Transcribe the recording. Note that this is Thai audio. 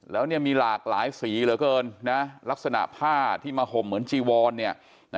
แล้วเนี่ยมีหลากหลายสีเหลือเกินนะลักษณะผ้าที่มาห่มเหมือนจีวอนเนี่ย